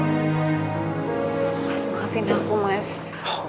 mas bangkitin aku mas